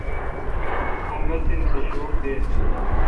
مہ مسین تھ شوک دین۔